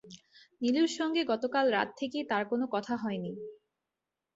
নীলুর সঙ্গে গতকাল রাত থেকেই তাঁর কোনো কথা হয় নি!